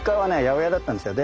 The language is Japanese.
八百屋だったんですよ。